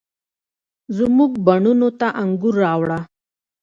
زموږ بڼوڼو ته انګور، راوړه،